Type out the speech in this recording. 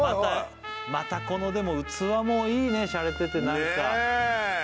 またこの器もいいねしゃれてて何かねえ